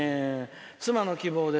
「妻の希望です。